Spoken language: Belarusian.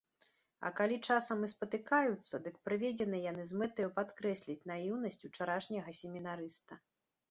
А калі часам і спатыкаюцца, дык прыведзены яны з мэтаю падкрэсліць наіўнасць учарашняга семінарыста.